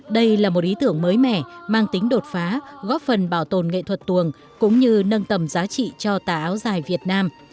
đây là một ý tưởng mới mẻ mang tính đột phá góp phần bảo tồn nghệ thuật tuồng cũng như nâng tầm giá trị cho tà áo dài việt nam